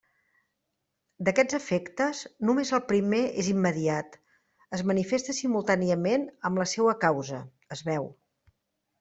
D'aquests efectes, només el primer és immediat, es manifesta simultàniament amb la seua causa, es veu.